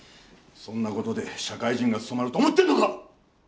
そんなことで社会人が務まると思ってんのか！？